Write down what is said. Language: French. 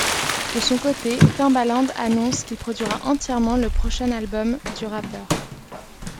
De son côté Timbaland annonce qu'il produira entièrement le prochain album du rappeur.